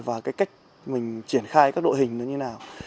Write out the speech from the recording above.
và cách mình triển khai các đội hình như thế nào